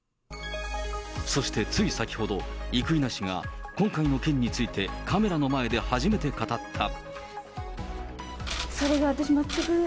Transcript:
そしてつい先ほど、生稲氏が今回の件についてカメラの前で初めて語った。